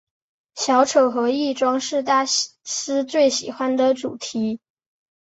小丑和易装是大师最喜欢的主题。